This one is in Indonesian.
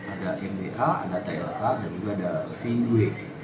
ada mda ada tlk dan juga ada vw